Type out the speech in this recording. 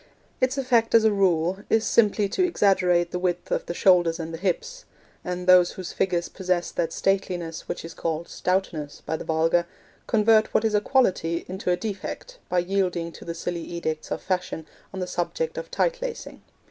Its effect, as a rule, is simply to exaggerate the width of the shoulders and the hips; and those whose figures possess that stateliness which is called stoutness by the vulgar, convert what is a quality into a defect by yielding to the silly edicts of Fashion on the subject of tight lacing.